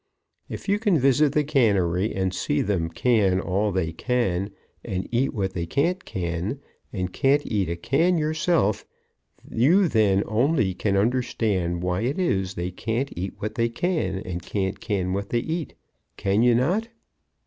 If you can visit the cannery and see them can all they can and eat what they can't can, and can't eat a can yourselves, you then only can understand why it is they can't eat what they can and can't can what they eat. Can you not?"